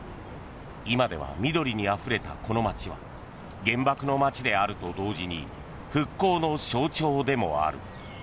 今では緑にあふれた、この街は原爆の街であると同時に復興の象徴でもある。